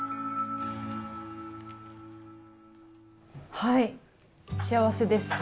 はい、幸せです。